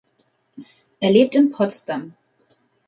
Er lebt in Potsdam.